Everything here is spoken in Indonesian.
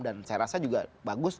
dan saya rasa juga bagus